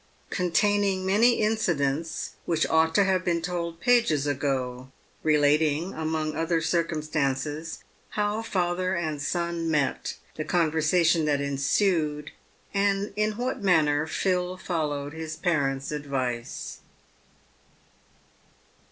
CONTAINING MANY INCIDENTS WHICH OUGHT TO HAVE BEEN TOLD PAGES AGO, RELATING, AMONG OTHER CIRCUMSTANCES, HOW FATHER AND SON MET, THE CON VERSATION THAT ENSUED, AND IN WHAT MANNER PHIL FOLLOWED HIS PARENT'S ADVICE.